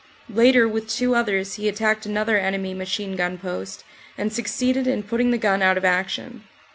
Later, with two others, he attacked another enemy machine gun post and suc ceeded in putting the gun out of action.